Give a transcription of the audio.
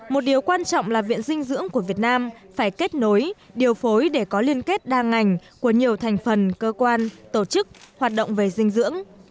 một điều quan trọng là viện dinh dưỡng của việt nam phải kết nối điều phối để có liên kết đa ngành của nhiều thành phần cơ quan tổ chức hoạt động về dinh dưỡng